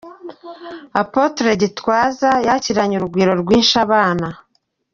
Apotre Gitwaza yakiranye urugwiro rwinshi abana.